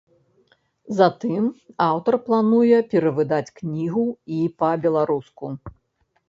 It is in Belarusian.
Затым аўтар плануе перавыдаць кнігу і па-беларуску.